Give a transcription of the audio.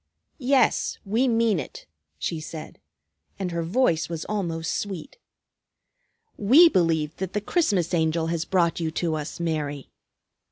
"Yes, we mean it," she said, and her voice was almost sweet. "We believe that the Christmas Angel has brought you to us, Mary.